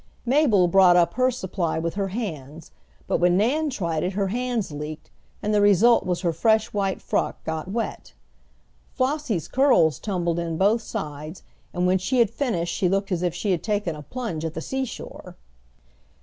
Mabel brought up her supply with her hands, but when Nan tried it her hands leaked, and the result was her fresh white frock got wet. Flossie's curls tumbled in both sides, and when she had finished she looked as if she had taken a plunge at the seashore.